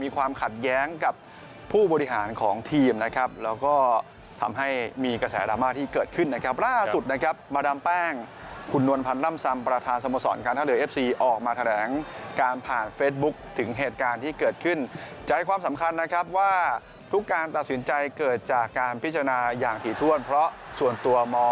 ความขัดแย้งกับผู้บริหารของทีมนะครับแล้วก็ทำให้มีกระแสดราม่าที่เกิดขึ้นนะครับล่าสุดนะครับมาดามแป้งคุณนวลพันธ์ล่ำซำประธานสมสรการท่าเรือเอฟซีออกมาแถลงการผ่านเฟซบุ๊คถึงเหตุการณ์ที่เกิดขึ้นจะให้ความสำคัญนะครับว่าทุกการตัดสินใจเกิดจากการพิจารณาอย่างถี่ถ้วนเพราะส่วนตัวม